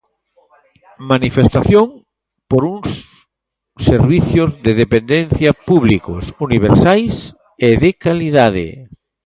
Manifestación por un servizos de dependencia públicos, universais e de calidade.